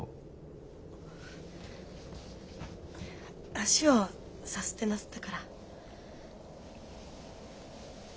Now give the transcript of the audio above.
足をさすってなすったから。